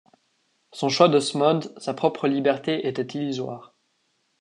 Son choix d'Osmond, sa propre liberté étaient 'illusoires.